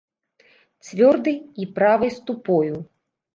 Цвёрдай і правай ступою!